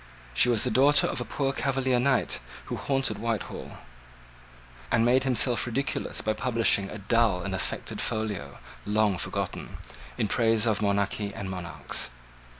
She was the daughter of a poor Cavalier knight who haunted Whitehall, and made himself ridiculous by publishing a dull and affected folio, long forgotten, in praise of monarchy and monarchs.